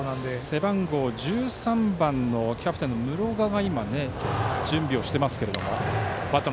背番号１３番のキャプテンの室賀が準備しています。